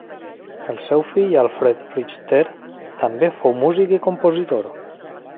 El seu fill Alfred Richter també fou músic i compositor.